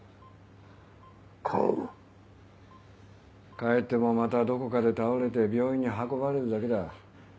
帰ってもまたどこかで倒れて病院に運ばれるだけだ。